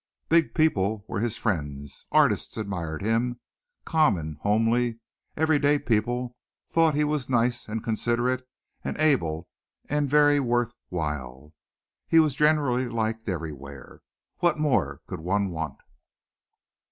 Big people were his friends, artists admired him, common, homely, everyday people thought he was nice and considerate and able and very worth while. He was generally liked everywhere. What more could one want?